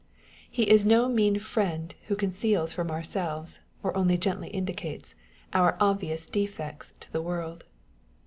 He is no mean friend who con ceals from ourselves, or only gently indicates, our obvious defects to the world.